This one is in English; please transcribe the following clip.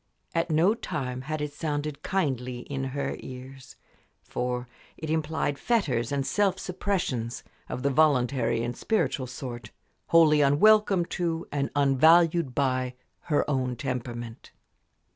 At no time had it sounded kindly in her ears; for it implied fetters and self suppressions of the voluntary and spiritual sort wholly unwelcome to and unvalued by her own temperament.